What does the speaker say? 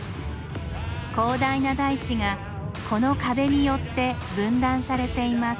広大な大地がこの壁によって分断されています。